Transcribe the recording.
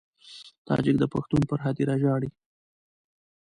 تاجک د پښتون پر هدیره ژاړي.